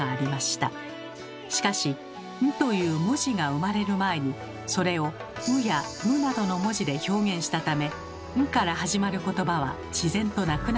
しかし「ん」という文字が生まれる前にそれを「う」や「む」などの文字で表現したため「ん」から始まることばは自然となくなっていきました。